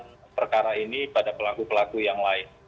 untuk mengembangkan perkara ini pada pelaku pelaku yang lain